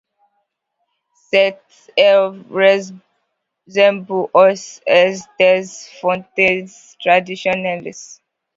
Cette eau ressemble aux eaux des fontaines traditionnelles.